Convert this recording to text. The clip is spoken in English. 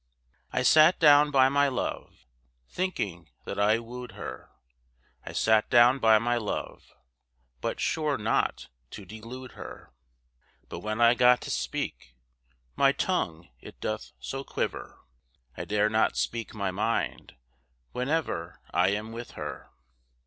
I sat down by my love, Thinking that I woo'd her; I sat down by my love, But sure not to delude her. But when I got to speak, My tongue it doth so quiver, I dare not speak my mind, Whenever I am with her.